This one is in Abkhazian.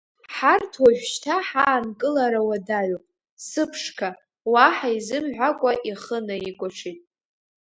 Ҳарҭ уажәшьҭа ҳаанкылара уадаҩуп, сыԥшқа, уаҳа изымҳәакәа ихы наикәаҽит.